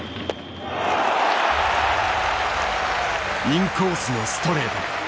インコースのストレート。